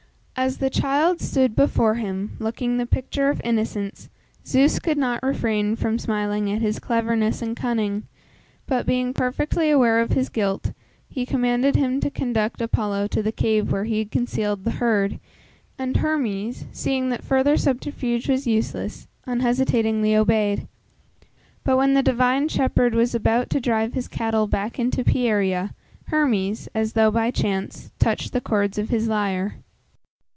As the child stood before him, looking the picture of innocence, Zeus could not refrain from smiling at his cleverness and cunning, but, being perfectly aware of his guilt, he commanded him to conduct Apollo to the cave where he had concealed the herd, and Hermes, seeing that further subterfuge was useless, unhesitatingly obeyed. But when the divine shepherd was about to drive his cattle back into Pieria, Hermes, as though by chance, touched the chords of his lyre.